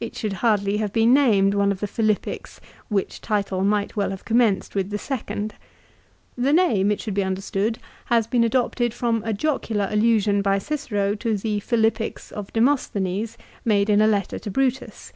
It should hardly have been named one of the Philippics, which title might well have been commenced with the second. The name, it should be understood, has been adopted from a jocular allusion by Cicero to the Philippics of Demosthenes made in a letter to Brutus.